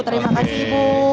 terima kasih ibu